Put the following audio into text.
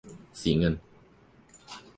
สีเงิน